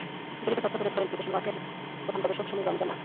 জরিপের তথ্য তুলে ধরেন এডুকেশন ওয়াচের প্রধান গবেষক সমীর রঞ্জন নাথ।